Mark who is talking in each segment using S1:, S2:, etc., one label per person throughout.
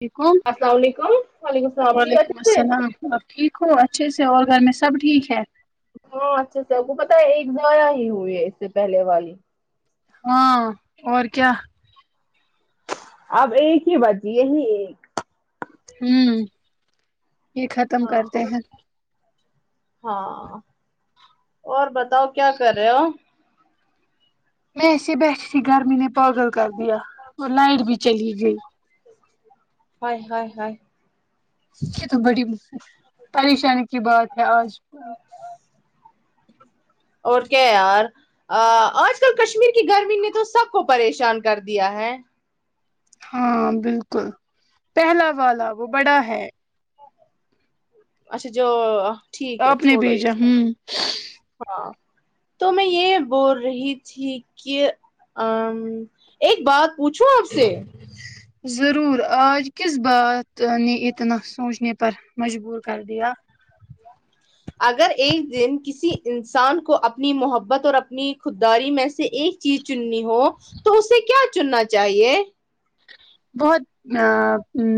S1: وعلیکم
S2: اسلام و علیکم وعلیکم السلام ٹھیک ہےجی
S1: وعلیکم السلام اب ٹھیک ہو اچھے سے اور گھر میں سب ٹھیک ہے
S2: ہاں اچھے سے آپ کو پتا ہے ایک ضائع ہی ہوئی ہے اس سے پہلے والی
S1: ہاں اور کیا
S2: اب ایک ہی بچی ہے یہی ایک
S1: ہوں یہ ختم
S2: ہاں اور
S1: کرتے ہیں
S2: ہاں اور بتاؤ کیا کر رہے ہو
S1: میں ایسے بیٹھی تھی گرمی نے پاگل کر دیا اور لائٹ بھی چلی گئی
S2: ہاے ہاے ہاے
S1: یہ تو بڑی پریشانی کی بات ہے آج
S2: اور کیا یار ا آج کل کشمیر کی گرمی نے تو سب کو پریشان کر دیا ہے
S1: ہاں بالکل پہلا والا وہ بڑا ہے
S2: اچھا جو اه
S1: آپ نے بھیجا ہوں
S2: ہاں تو میں یہ بول رہی تھی کہ ا ایک بات پوچھوں آپ سے
S1: ضرور آج کس بات نے اتنا سوچنے پر مجبور کر دیا
S2: [inaudible] اگر ایک دن کسی انسان کو اپنی محبت اور اپنی خود داری میں سے ایک چننی ہو تو اسے کیا چننا چاہیے
S1: بہت نہ ام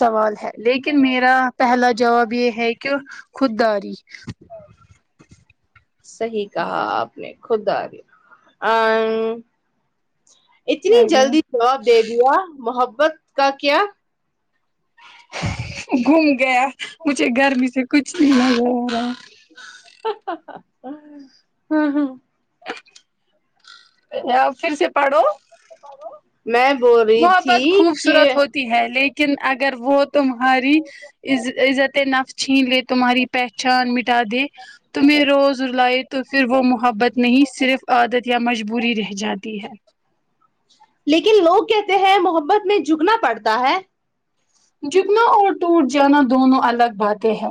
S1: سوال ہے لیکن میرا پہلا جواب یہ ہے کہ خود داری
S2: [inaudible] صحیح کہا آپ نے خود داری امم اتنی جلدی جواب دے دیا محبت کا کیا
S1: گھوم گیا مجھے گرمی سے کچھ نہیں [inaudible]
S2: ہاں ہاں
S1: پھر سے پڑھو
S2: میں بول رہی تھی کہ
S1: تی ہے لیکن اگر وہ تمہاری عزت نفس چھین لے تمہاری پہچان مٹا دے تمہیں روز رلائے تو پھر وہ محبت نہیں صرف عادت یا مجبوری رہ جاتی ہے
S2: لیکن لوگ کہتے ہیں محبت میں جھکنا پڑتا ہے
S1: جکنا اور ٹوٹ جانا دونوں الگ باتیں ہیں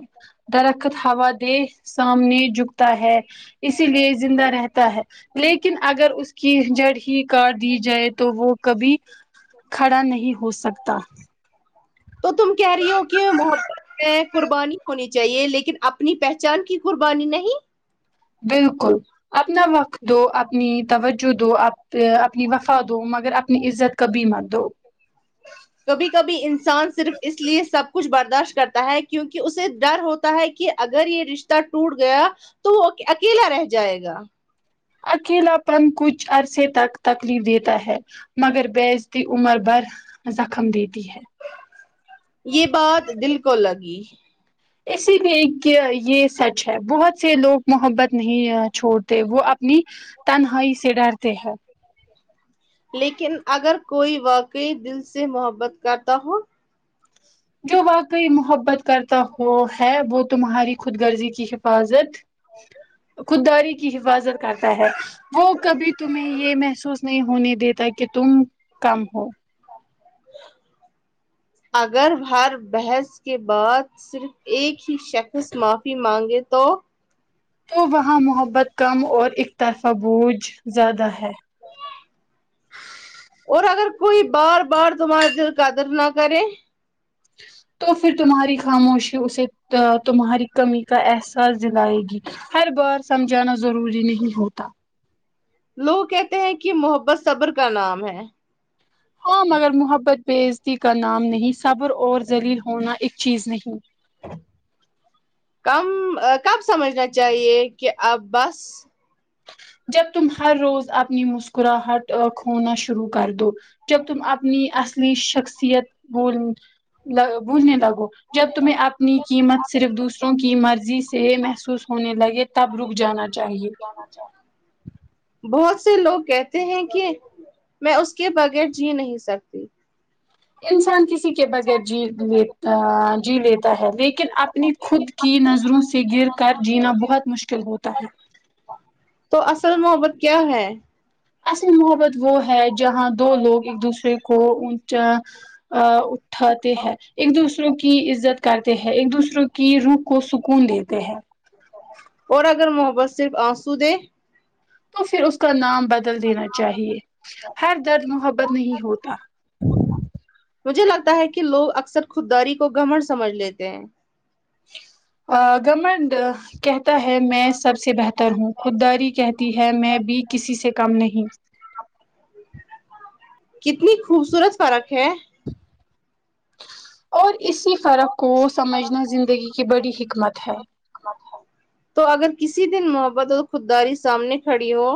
S1: درخت ہوا دے سامنے جھکتا ہے اسی لیے زندہ رہتا ہے لیکن اگر اس کی جڑ ہی کاٹ دی جائے تو وہ کبھی کھڑا نہیں ہو سکتا
S2: تو تم کہہ رہی ہو کہ محبت میں قربانی ہونی چاہیے لیکن اپنی پہچان کی قربانی نہیں
S1: بالکل اپنا وقت دو اپنی توجہ دو اپنی وفا دو مگر اپنی عزت کبھی مت دو
S2: کبھی کبھی انسان صرف اس لیے سب کچھ برداشت کرتا ہے کیونکہ اسے ڈر ہو تا ہے کہ اگر یہ رشتہ ٹوٹ گیا تو وہ اکیلا رہ جائے گا
S1: اکیلا پن کچھ عرصے تک تکلیف دیتا ہے مگر بیزتی عمر بھر زخم دیتی ہے
S2: یہ بات دل کو لگی
S1: اسی لی ایک یہ سچ ہے بہت سے لوگ محبت نہیں چھوڑتے وہ اپنی تنہائی سے ڈرتے ہیں
S2: لیکن اگر کوئی واقعی دل سے محبت کرتا ہو
S1: جو واقعی محبت کرتا ہو ہے وہ تمہاری خود غرضی کی حفاظت
S2: ا
S1: خود داری کی حفاظت کرتا ہے وہ کبھی تمہیں یہ محسوس نہیں ہونے دیتا کہ تم کم ہو
S2: اگر ہر بحث کے بعد صرف ایک ہی شخص معافی مانگے تو
S1: تو وہاں محبت کم اور اکترفہ بوجھ زیادہ ہے
S2: اور اگر کوئی بار بار تمہارے دل قدر نہ کرے
S1: تو پھر تمہاری خاموشی اسے تمہاری کمی کا احساس دلائے گی ہر بار سمجھانا ضروری نہیں ہوتا
S2: لوگ کہتے ہیں کہ محبت صبر کا نام ہے
S1: ہاں مگر محبت بیعزتی کا نام نہیں صبر اور ذلیل ہونا ایک چیز نہیں
S2: کم کب سمجھنا چاہیے کہ اب بس
S1: جب تم ہر روز اپنی مسکراہٹ اور کھونا شروع کر دو جب تم اپنی اصلی شخصیت بول بھولنے لگو جب تمہیں اپنی قیمت صرف دوسروں کی مرضی سے محسوس ہونے لگے تب رک جانا چاہیے
S2: جناچاہ بہت سے لوگ کہتے ہیں کہ میں اس کے بغیر جی نہیں سک
S1: انسان کسی کے بغیر جی لیتا جی لیتا ہے لیکن اپنی خود کی نظروں سے گر کر جینا بہت مشکل ہوتا ہے
S2: تو اصل محبت کیا ہے
S1: اصل محبت وہ ہے جہاں دو لوگ ایک دوسرے کو اونچا آ اٹھاتے ہیں ایک دوسروں کی عزت کرتے ہیں ایک دوسروں کی روح کو سکون دیتے ہیں
S2: اور اگر محبت صرف آنسو دے
S1: تو پھر اس کا نام بدل دینا چاہیے ہر درد محبت نہیں ہوتا
S2: مجھے لگتا ہے کہ لوگ اکثر خود داری کو گھمنڈ سمجھ لیتے ہیں
S1: آ گھمنڈ کہتا ہے میں سب سے بہتر ہوں خود داری کہتی ہے میں بھی کسی سے کم نہیں
S2: کتنی خوبصورت فرق ہے
S1: اور اسی فرق کو سمجھنا زندگی کی بڑی حکمت ہے
S2: تو اگر کسی دن محبت اور خودداری سامنے کھڑی ہو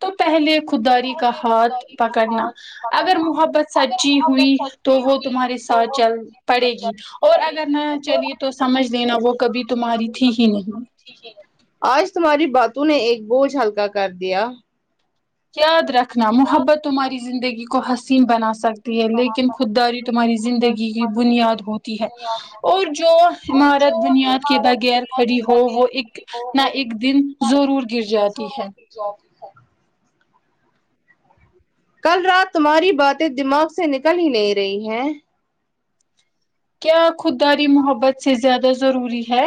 S1: تو پہلے خودداری کا ہاتھ پکڑنا اگر محبت سچی ہوئی تو وہ تمہارے ساتھ چل پڑے گی اور اگر نا چلی تو سمجھ لینا وہ کبھی تمہاری تھی ہی نہیں
S2: آج تمہاری باتوں نے ایک بوجھ ہلکا کر دیا
S1: یاد رکھنا محبت تمہاری زندگی کو حسین بنا سک تی ہے لیکن خود داری تمہاری زندگی کی بنیاد ہوتی ہے اور جو عمارت بنیاد کے بغیر کھڑی ہو وہ اک نہ ایک دن ضرور گر جاتی ہے
S2: کل رات تمہاری باتیں دماغ سے نکل ہی نہیں رہی ہے
S1: کیا خودداری محبت سے زیادہ ضروری ہے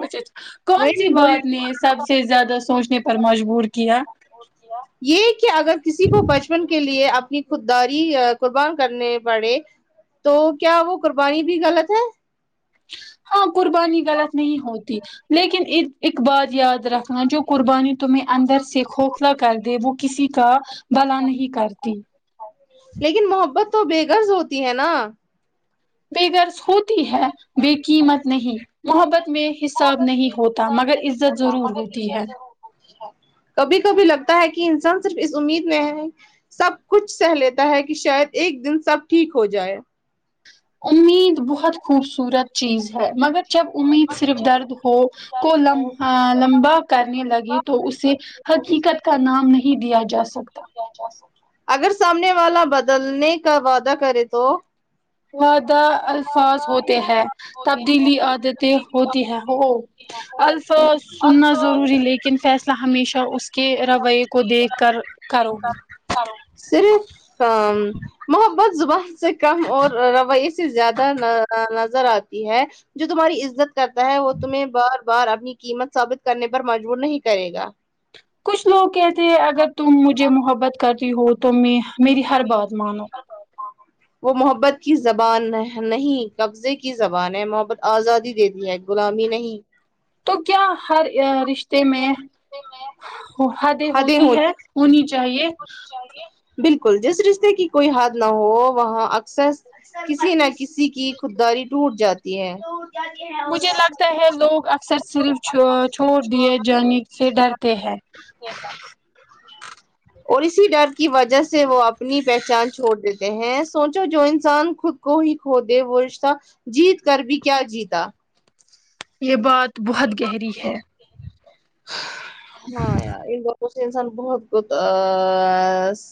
S1: بچچ کون سی
S2: وہی وہ
S1: بات نے سب سے زیادہ سوچنے پر مجبور کیا
S2: ہو کیا یہ کہ اگر کسی کو بچپن کے لیے اپنی خود داری قربان کرنے پڑے تو کیا وہ قربانی بھی غلط ہے
S1: ہاں قربانی غلط نہیں ہوتی لیکن ی ایک بات یاد رکھنا جو قربانی تمہیں اندر سے کوکھلہ کر دے وہ کسی کا بھلا نہیں کرتی
S2: لیکن محبت تو بے غرض ہوتی ہے نا
S1: بے غرض ہوتی ہے بے قیمت نہیں محبت میں حساب نہیں ہوتا مگر عزت ضرور ہوتی ہے
S2: کبھی کبھی لگتا ہے کہ انسان صرف اس امید میں ہے سب کچھ سہ لیتا ہے کہ شاید ایک دن سب ٹھیک ہو جائے
S1: امید بہت خوبصورت چیز ہے مگر جب امید صرف درد کو لم۔ لمبا کرنے لگے تو اسے حقیقت کا نام نہیں دیا جا سکتا
S2: اگر سامنے والا بدلنے کا وعدہ کرے تو
S1: وعدہ الفاظ ہوتے ہیں تبدیلی عادتیں ہوتی ہیں ہو الفاظ سننا ضروری لیکن فیصلہ ہمیشہ اس کے رویے کو دیکھ کر
S2: پھر یہ
S1: کرو
S2: کام کرو صرف کام محبت زبان سے کم اور رویہ س زیادہ نظر آتی ہے جو تمہاری عزت کرتا ہے وہ تمہیں بار بار اپنی قیمت ثابت کرنے پر مجبور نہیں کرے گا
S1: کچھ لوگ کہتے ہیں اگر تم مجھے محبت کرتی ہو تو میں میری ہر بات مانو
S2: وہ محبت کی زبان نہیں قبضے کی زبان ہے محبت آزادی دیتی ہے غلامی نہیں
S1: تو کیا ہر رشتے میں ہو حدیں ہوتی ہے ہونی چاہیے
S2: بالکل جس رشتے کی کوئی حد نہ ہو وہاں اکثر کسی نہ کسی کی خھوداری ٹوٹ جاتی ہے
S1: مجھے لگتا ہے لوگ اکثر صرف چھ چھوڑ دیے جانے سے ڈرتے ہیں
S2: اور اسی ڈر کی وجہ سے وہ اپنی پہچان چھوڑ دیتے ہیں سوچو جو انسان خود کو ہی کھو دے وہ رشتہ جیت کر بھی کیا جیتا
S1: یہ بات بہت گہری ہے
S2: ہاں یار یہ بوہ اسے انسان بہت ک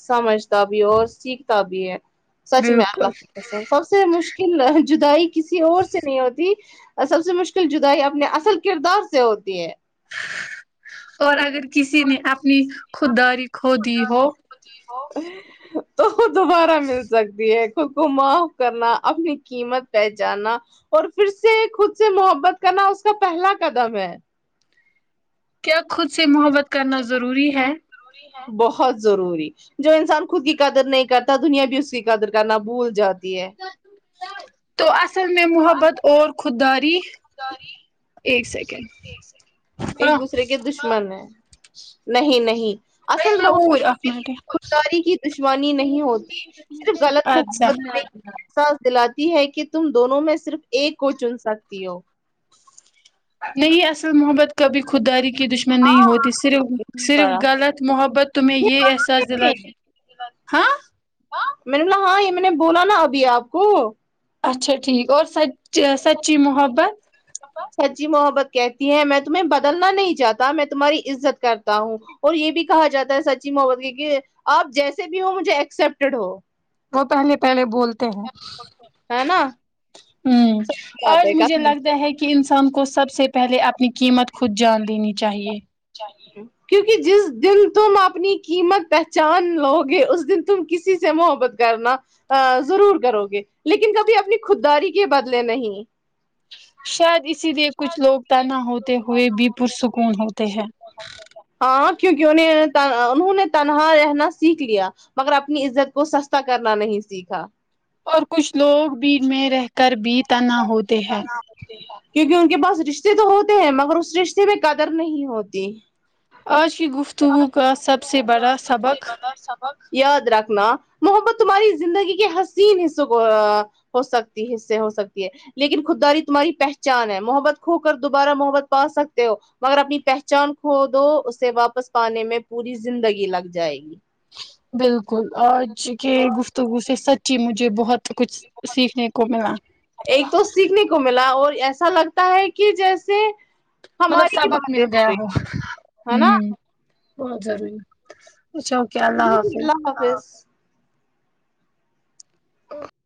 S2: سمجھتا بھی ہے اور سیکھتا بھی ہے سچ میں
S1: بالکل
S2: اللہ سب سے مشکل جدائی کسی اور سے نہیں ہوتی سب سے مشکل جدائی اپنے اصل کردار سے ہوتی ہے
S1: اور اگر کسی نے اپنی خود داری کھو دی ہو
S2: تو دوبارہ مل سکتی ہے خود کو معاف کرنا اپنی قیمت پہچانا اور پھر سے خود سے محبت کرنا اس کا پہلا قدم ہے
S1: کیا خود سے محبت کرنا ضروری ہے
S2: بہت ضروری جو انسان خود کی قدر نہیں کرتا دنیا بھی اس کی قدر کرنا بھول جاتی ہے
S1: تو اس اصل میں محبت اور خود داری ایک سیکنڈ
S2: ایک
S1: ہاں
S2: دوسرے کے دشمن ہیں نہیں نہیں
S1: ا منٹے
S2: داری کی دشمانی نہیں ہوتی صرف غلط
S1: اچھا
S2: محبت میں ا ساس دلاتی ہے کہ تم دونوں میں صرف ایک کو چن سکتی ہو
S1: نہیں اصل محبت کبھی خود داری کی دش میں نہیں ہوتی صرف صرف
S2: پڑا
S1: غلط محبت تمہیں یہ احساس دلا ہاں
S2: ہاں میں نے بولا ہاں یہ میں نا بولا نہ ابھی اپ کو
S1: اچھا ٹھیک اور سچ سچی محبت
S2: سچی محبت کہتی ہے میں تمہیں بدلنا نہیں چاہتا میں تمہاری عزت کرتا ہوں اور یہ بھی کہا جاتا ہے سچی محبت کی کہ آپ جیسے بھی ہو مجھے ایکسپٹیڈ ہو
S1: وہ پہلے پہلے بولتے
S2: ہے نا
S1: ہمم
S2: بات
S1: آج
S2: ہے
S1: مجھے
S2: کافی
S1: لگتا ہے کہ کی انسان کو سب سے پہلے اپنی قیمت خود جان دینی چاہیے
S2: چاہیے کیونکہ جس دن تم اپنی قیمت پہچان لو گے اس دن تم کسی سے محبت کرنا ضرور کرو گے لیکن کبھی اپنی خودداری کے بدلے نہیں
S1: شاید اسی لیے کچھ لوگ تنہا ہوتے ہوئے بھی پرسکون ہوتے ہیں
S2: ہاں کیونکہ انہیں انہوں نے تنہا رہنا سیکھ لیا مگر اپنی عزت کو سستا کرنا نہیں سیکھا
S1: اور کچھ لوگ بھیڑ میں رہ کر بھی تنہا ہوتے ہیں
S2: کیونکہ ان کے پاس رشتے تو ہوتے ہیں مگر اس رشتے پ قدر نہیں ہوتی
S1: آج کی گفتگو کا سب سے بڑا سبق
S2: یاد رکھنا محبت تمہاری زندگی کے حسین حصوں کو ا ہو سکتی ہے حصے ہو سکتی ہے لیکن خود داری تمہاری پہچان ہے محبت کھو کر دوبارہ محبت پا سکتے ہو مگر اپنی پہ چان کھو دو اسے واپس پانے میں پوری زندگی لگ جائے گی
S1: بالکل آج کے گفتگو سے سچی مجھے بہت تو کچھ سیکھنے کو ملا
S2: ایک تو سیکھنے کو ملا اور ایسا لگتا ہے کہ جیسے
S1: مطلب
S2: ہماری ہی
S1: سبق
S2: باتیں
S1: مل گیا
S2: رہی
S1: ہو
S2: ہے نا
S1: ہوں بہت ضروری اچھا
S2: اللہ حافظ
S1: ا